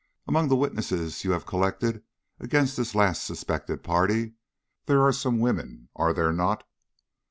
Among the witnesses you have collected against this last suspected party, there are some women, are there not?"